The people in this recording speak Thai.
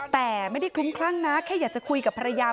แต่ไม่ได้คลุ้มคลั่งนะแค่อยากจะคุยกับภรรยา